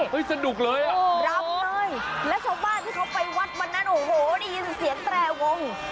สนุกเลยอ่ะรำเลยแล้วชาวบ้านที่เขาไปวัดวันนั้นโอ้โหได้ยินเสียงแตรวง